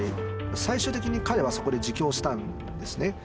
最終的に彼はそこで自供したんですね。